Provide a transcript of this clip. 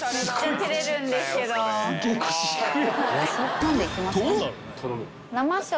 飲んでいきますかね？